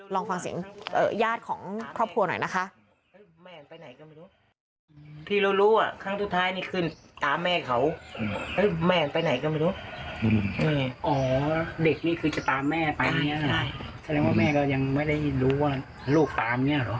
ลองฟังเสียงญาติของครอบครัวหน่อยนะคะ